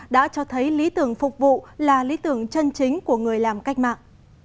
đã cho thấy lý tưởng phục vụ là lý tưởng chân chính của người làm cách mạng